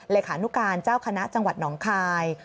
เลขานุการเจ้าคณะจังหวัดหนองคาย